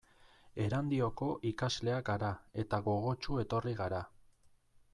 Erandioko ikasleak gara eta gogotsu etorri gara.